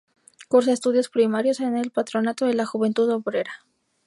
Cursa estudios primarios en el Patronato de la Juventud Obrera.